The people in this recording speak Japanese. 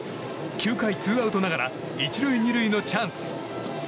９回ツーアウトながら１塁２塁のチャンス。